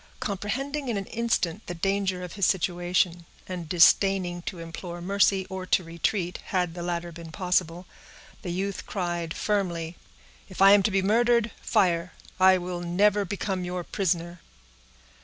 Comprehending, in an instant, the danger of his situation, and disdaining to implore mercy or to retreat, had the latter been possible, the youth cried firmly,— "If I am to be murdered, fire! I will never become your prisoner."